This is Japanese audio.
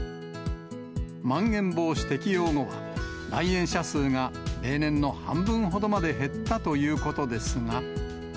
まん延防止適用後は、来園者数が例年の半分ほどまで減ったということですが。